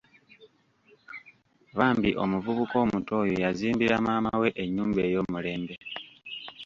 Bambi omuvubuka omuto oyo yazimbira maama we ennyumba ey'omulembe!